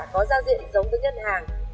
có giao diện giống với nhân hàng